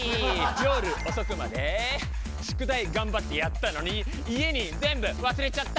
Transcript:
夜遅くまで宿題頑張ってやったのに家に全部忘れちゃった。